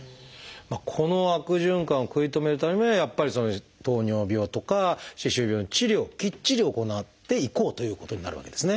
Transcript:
この悪循環を食い止めるためにはやっぱり糖尿病とか歯周病の治療をきっちり行っていこうということになるわけですね。